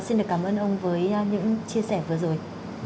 xin được cảm ơn ông với những chia sẻ vừa rồi